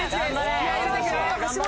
気合入れていくよ。